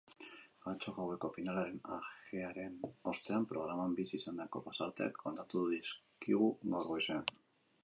Atzo gaueko finalaren ajearen ostean programan bizi izandako pasarteak kontatu dizkigu gaur goizean.